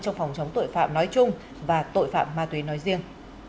trong phòng chống tội phạm nói chung và tội phạm ma túy nói riêng